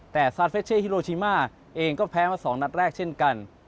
แต่ซานเฟชเช่ฮิโรชิมาเองก็แพ้มา๒นัดแรกเช่นกัน